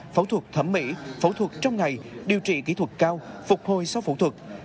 phẫu thuật thẩm mỹ phẫu thuật trong ngày điều trị kỹ thuật cao phục hồi sau phẫu thuật